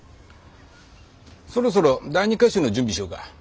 そろそろ第２歌集の準備しようか。